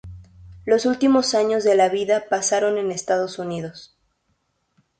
Los últimos años de la vida pasaron en Estados Unidos.